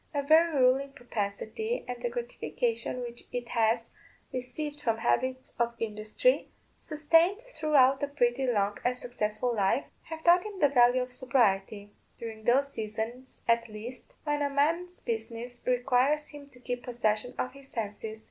a very ruling propensity, and the gratification which it has received from habits of industry, sustained throughout a pretty long and successful life, have taught him the value of sobriety, during those seasons, at least, when a man's business requires him to keep possession of his senses.